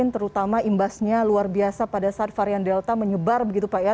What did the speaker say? terutama imbasnya luar biasa pada saat varian delta menyebar begitu pak ya